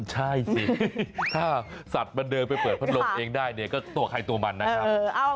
ใช่สิถ้าสัตว์มันเดินไปเปิดพัดลมเองได้เนี่ยก็ตัวใครตัวมันนะครับ